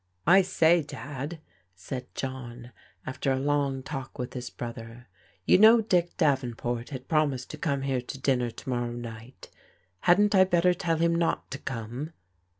" I say, Dad," said John, after a long talk with his brother, "you know Dick Davenport had promised to come here to dinner to morrow night. Hadn't I better tell him not to come